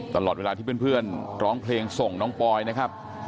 ตลอดเวลาที่เพื่อนร้องเพลงส่งน้องปอยนะครับ